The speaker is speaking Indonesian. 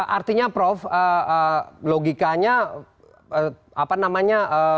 artinya prof logikanya apa namanya